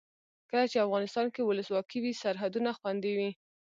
کله چې افغانستان کې ولسواکي وي سرحدونه خوندي وي.